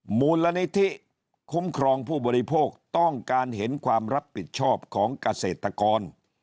มูลนิธิคุ้มครองผู้บริโภคต้องการเห็นความรับผิดชอบของเกษตรกร